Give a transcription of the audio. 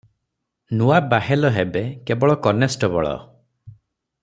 ନୂଆ ବାହେଲ ହେବେ କେବଳ କନେଷ୍ଟବଳ ।